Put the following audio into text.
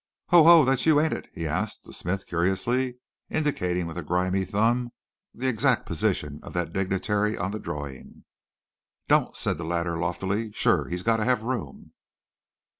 "Ho, ho! that's you, ain't it," he asked the smith curiously, indicating with a grimy thumb the exact position of that dignitary on the drawing. "Don't," said the latter, loftily "sure! He's gotta have room."